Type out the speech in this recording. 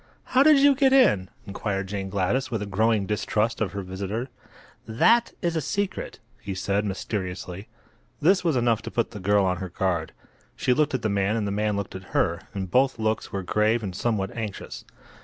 "How did you get in?" inquired Jane Gladys, with a growing distrust of her visitor. "That is a secret," he said, mysteriously. This was enough to put the girl on her guard. She looked at the man and the man looked at her, and both looks were grave and somewhat anxious.